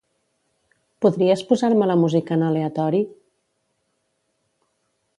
Podries posar-me la música en aleatori?